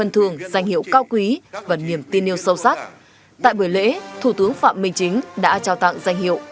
tại buổi lễ thủ tướng phạm minh chính đã trao tặng danh hiệu